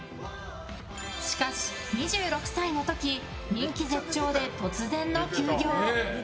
しかし、２６歳の時人気絶頂で突然の休業。